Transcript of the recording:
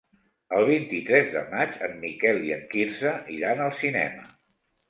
El vint-i-tres de maig en Miquel i en Quirze iran al cinema.